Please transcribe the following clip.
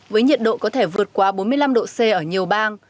với nhiệt độ có thể vượt qua bốn mươi năm độ c ở nhiều bang